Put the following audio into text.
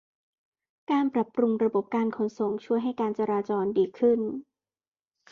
การปรับปรุงระบบการขนส่งช่วยให้การจราจรดีขึ้น